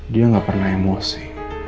dia gak pernah emosi